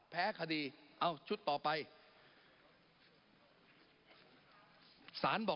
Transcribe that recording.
ปรับไปเท่าไหร่ทราบไหมครับ